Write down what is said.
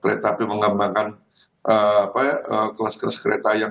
kereta api mengambangkan apa ya kelas kelas kereta yang orang yang punya kereta api ini